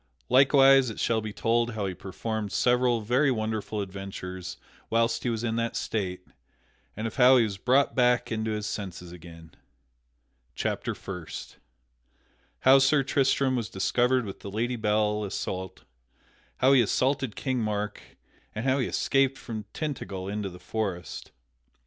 Likewise it shall be told how he performed several very wonderful adventures whilst he was in that state, and of how he was brought back into his senses again._ [Illustration: Sir Tristram assaults King Mark] Chapter First _How Sir Tristram was discovered with the Lady Belle Isoult; how he assaulted King Mark, and how he escaped from Tintagel into the forest.